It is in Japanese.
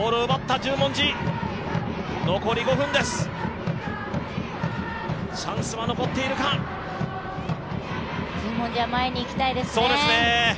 十文字は前に行きたいですね。